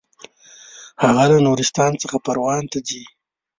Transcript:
هغه له نورستان څخه پروان ته ځي.